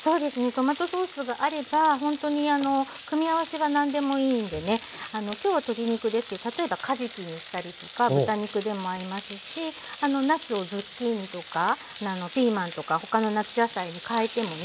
トマトソースがあればほんとに組み合わせは何でもいいんでね今日は鶏肉ですけど例えばかじきにしたりとか豚肉でも合いますしなすをズッキーニとかピーマンとか他の夏野菜にかえてもねすごく合います。